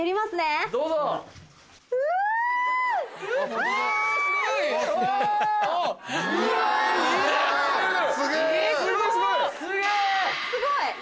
すごい！